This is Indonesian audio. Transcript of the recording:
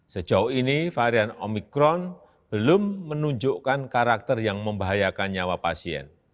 sejauh ini varian omikron belum menunjukkan karakter yang membahayakan nyawa pasien